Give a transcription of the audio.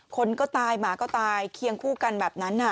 คนก็ตายหมาก็ตายเคียงคู่กันแบบนั้น